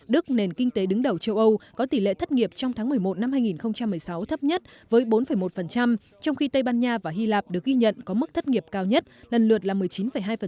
đức nền kinh tế đứng đầu châu âu có tỷ lệ thất nghiệp trong tháng một mươi một năm hai nghìn một mươi sáu thấp nhất với bốn một trong khi tây ban nha và hy lạp được ghi nhận có mức thất nghiệp cao nhất lần lượt là một mươi chín hai